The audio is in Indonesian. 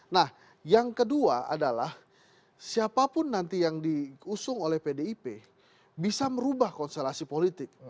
nah yang kedua adalah siapapun nanti yang diusung oleh pdip bisa merubah konstelasi politik